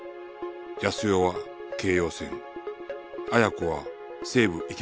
康代は京葉線綾子は西武池袋線